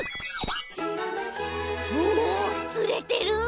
おおつれてる！